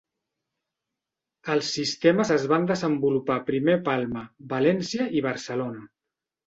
Els sistemes es van desenvolupar primer a Palma, València i Barcelona.